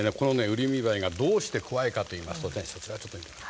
ウリミバエがどうして怖いかといいますとねそちらちょっと。